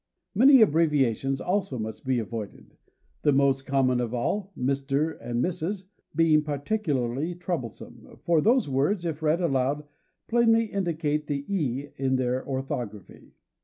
Many abbreviations also must be avoided; the most common of all, "Mr." and "Mrs." being particularly troublesome; for those words, if read aloud, plainly indicate the E in their orthography.